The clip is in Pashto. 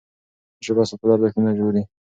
ژبه ساتل ارزښتونه ژغوري.